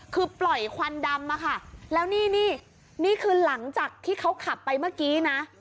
คือปล่อยควันดำมาค่ะแล้วนี่นี่นี่คือหลังจากที่เขาขับไปเมื่อกี้นะ